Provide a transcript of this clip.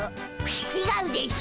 ちがうでしょう。